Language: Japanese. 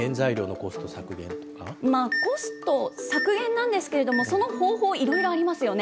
コスト削減なんですけれども、その方法、いろいろありますよね。